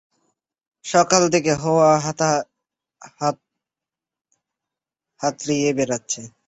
সকাল থেকে হাওয়া হাতড়িয়ে বেড়াচ্ছি।